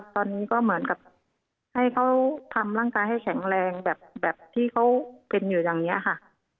ตอนนี้ก็เหมือนกับให้เขาทำร่างกายให้แข็งแรงแบบที่เขาเป็นอยู่อย่างนี้ค่ะ